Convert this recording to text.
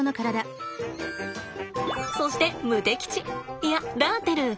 そしてムテ吉いやラーテル。